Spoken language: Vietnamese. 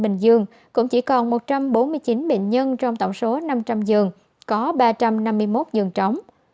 bình dương cũng chỉ còn một trăm bốn mươi chín bệnh nhân trong tổng số năm trăm linh giường có ba trăm năm mươi một giường chóng